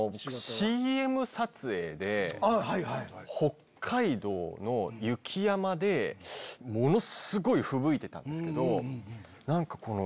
北海道の雪山でものすごいふぶいてたんですけど。